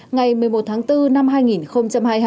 ngày một mươi một tháng bốn năm hai nghìn hai mươi hai